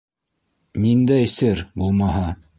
Ниндәй, сер булмаһа?..